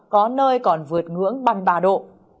có nơi còn vượt ngưỡng bằng ba độ